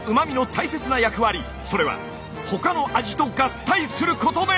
それは他の味と合体することで！